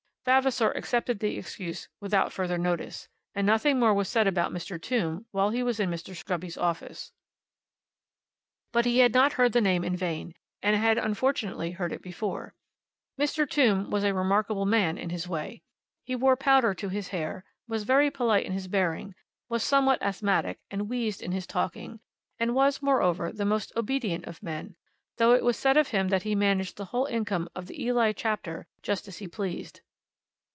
Vavasor accepted the excuse without further notice, and nothing more was said about Mr. Tombe while he was in Mr. Scruby's office. But he had not heard the name in vain, and had unfortunately heard it before. Mr. Tombe was a remarkable man in his way. He wore powder to his hair, was very polite in his bearing, was somewhat asthmatic, and wheezed in his talking, and was, moreover, the most obedient of men, though it was said of him that he managed the whole income of the Ely Chapter just as he pleased.